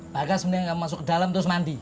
bagas mendingan masuk ke dalam terus mandi